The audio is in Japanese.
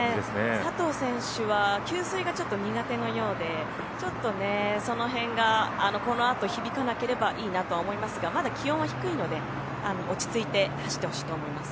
佐藤選手は給水がちょっと苦手のようでちょっとその辺がこのあと響かなければいいなとは思いますがまだ気温は低いので落ち着いて走ってほしいと思います。